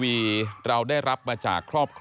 ไอ้แม่ได้เอาแม่ได้เอาแม่